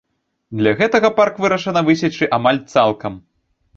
Для гэтага парк вырашана высечы амаль цалкам.